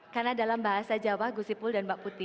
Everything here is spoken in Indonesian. karena dalam bahasa jawa gusipul dan mbak putih